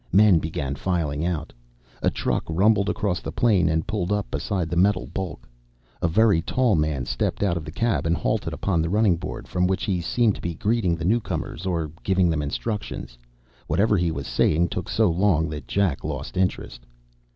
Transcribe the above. Men began filing out. A truck rumbled across the plain and pulled up beside the metal bulk. A very tall man stepped out of the cab and halted upon the running board, from which he seemed to be greeting the newcomers or giving them instructions. Whatever he was saying took so long that Jack lost interest.